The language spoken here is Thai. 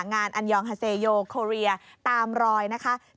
อันยองฮาเซโยโคเรียตามรอยนะคะ